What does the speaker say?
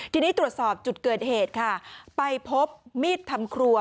ทีนี้ตรวจสอบจุดเกิดเหตุค่ะไปพบมีดทำครัว